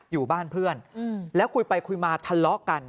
อยู่บ้านเพื่อนแล้วคุยไปคุยมาทะเลาะกัน